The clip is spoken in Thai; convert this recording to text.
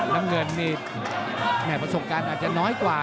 น้ำเงินนี่แน่ประสงค์การอาทิตย์น้อยกว่า